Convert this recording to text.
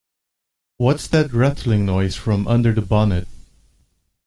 What's that rattling noise from under the bonnet?